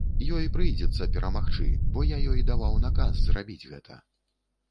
Ёй прыйдзецца перамагчы, бо я ёй даваў наказ зрабіць гэта.